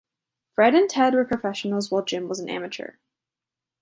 Fred and Ted were professionals while Jim was an amateur.